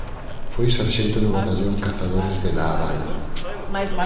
Foi sarxento no Batallón Cazadores de La Habana.